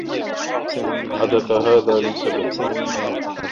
حدث هذا لسبب.